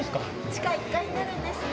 地下１階になるんですが。